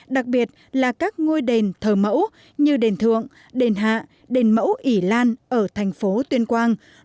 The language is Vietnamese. đặc biệt là các ngôi đền thờ mẫu như đền thượng đền hạ đền mẫu ỉ lan ở thành phố tuyên quang